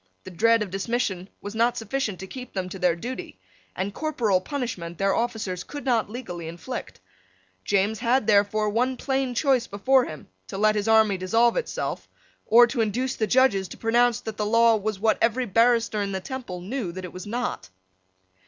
The dread of dismission was not sufficient to keep them to their duty: and corporal punishment their officers could not legally inflict. James had therefore one plain choice before him, to let his army dissolve itself, or to induce the judges to pronounce that the law was what every barrister in the Temple knew that it was not.